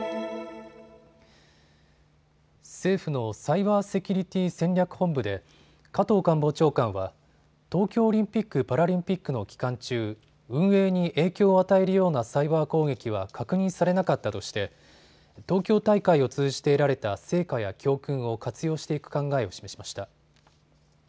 政府のサイバーセキュリティ戦略本部で加藤官房長官は東京オリンピック・パラリンピックの期間中、運営に影響を与えるようなサイバー攻撃は確認されなかったとして東京大会を通じて得られた成果や教訓を活用していく考えを示しました。